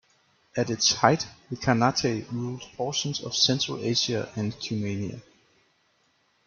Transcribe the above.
At its height, the khanate ruled portions of Central Asia and Cumania.